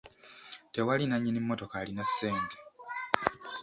Tewali nnannyini mmotoka alina ssente.